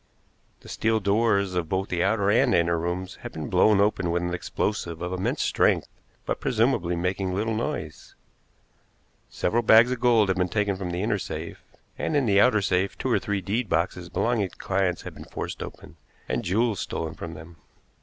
The steel doors of both the outer and inner rooms had been blown open with an explosive of immense strength but presumably making little noise. Several bags of gold had been taken from the inner safe, and in the outer safe two or three deed boxes belonging to clients had been forced open, and jewels stolen from them.